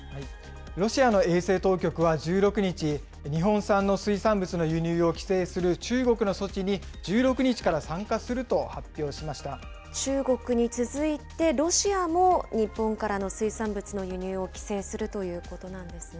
ロシアの衛生当局は１６日、日本産の水産物の輸入を規制する中国の措置に１６日から参加する中国に続いて、ロシアも日本からの水産物の輸入を規制するということなんですね。